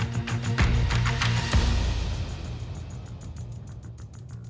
ติดตามต่อไป